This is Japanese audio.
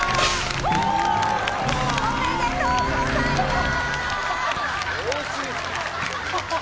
おめでとうございます。